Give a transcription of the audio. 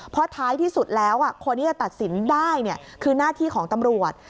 เพราะท้ายที่สุดแล้วคนที่จะตัดสินได้คือหน้าที่ของตำรวจ